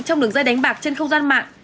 trong đường dây đánh bạc trên không gian mạng